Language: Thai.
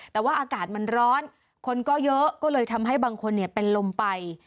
แต่ว่าอากาศมันร้อนคนก็เยอะก็เลยทำให้บางคนเป็นลมไป